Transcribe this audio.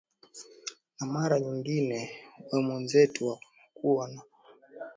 na mara nyingine we wenzetu wanakuwa na picha tofauti kabisa ya afrika jinsi ilivyo